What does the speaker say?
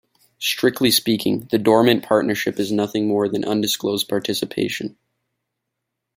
Strictly speaking, the dormant partnership is nothing more than an 'undisclosed participation'.